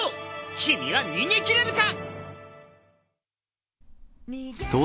君は逃げ切れるか！？